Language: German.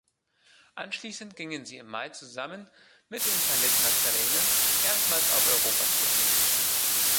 Anschließend gingen sie im Mai zusammen mit Impaled Nazarene erstmals auf Europa-Tour.